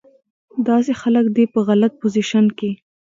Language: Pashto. داسې خلک دې پۀ غلط پوزيشن کښې